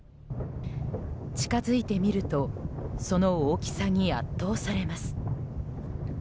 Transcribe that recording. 近づいてみるとその大きさに圧倒されます。